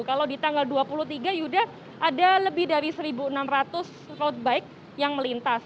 kalau di tanggal dua puluh tiga yuda ada lebih dari satu enam ratus road bike yang melintas